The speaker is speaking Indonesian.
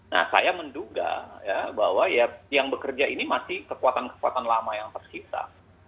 nah saya menduga ya bahwa ya yang bekerja ini masih kekuatan kekuatan lama yang tersisa